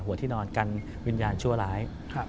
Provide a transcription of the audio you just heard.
ที่นอนกันวิญญาณชั่วร้าย